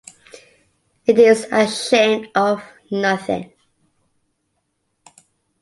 It is ashamed of nothing.